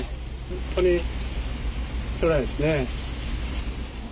本当につらいですね。